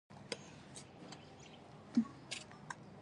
د ډېرې مودې سوکړې له وجې په سړک دومره دوړه وه